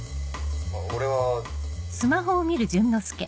俺は。